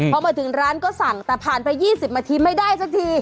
พอมาถึงร้านก็สั่งแต่ผ่านไป๒๐นาทีไม่ได้สักที